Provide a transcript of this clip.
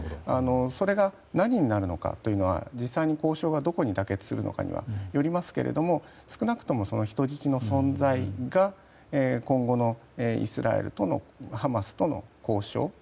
それが何になるのかは実際に交渉がどこに妥結するのかにはよりますけれども少なくとも人質の存在が今後のイスラエルとのハマスとの交渉